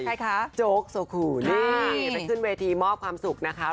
ใครคะโจ๊กโซคูนี่ไปขึ้นเวทีมอบความสุขนะคะ